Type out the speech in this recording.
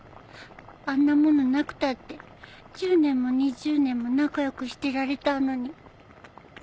あんな物なくたって１０年も２０年も仲良くしてられたのに